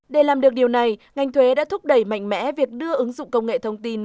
để làm được điều này ngành thuế đã thúc đẩy mạnh mẽ việc đưa ứng dụng công nghệ thông tin